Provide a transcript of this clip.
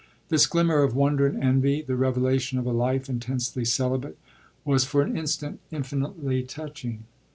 This glimmer of wonder and envy, the revelation of a life intensely celibate, was for an instant infinitely touching.